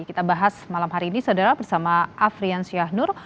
kita bahas malam hari ini saudara bersama afrian syahnur